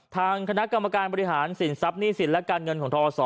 ทางคณะกรรมการบริหารสินทรัพย์หนี้สินและการเงินของทศ